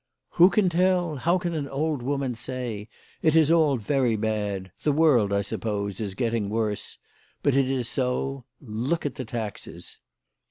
" Who can tell ? How can an old woman say ? It is all very bad. The world, I suppose, is getting worse. But it is so. Look at the taxes."